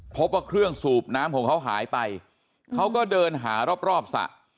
พบว่าเครื่องสูบน้ำของเขาหายไปเขาก็เดินหารอบสระ